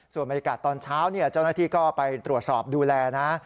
ส่วนบรรยากาศตอนเช้าเจ้าหน้าที่ก็ไปตรวจสอบดูแลนะ